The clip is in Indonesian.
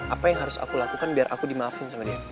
apa yang harus aku lakukan biar aku dimaafin sama dia